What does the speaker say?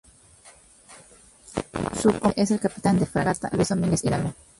Su Comandante es el Capitán de Fragata Luis Domínguez Hidalgo.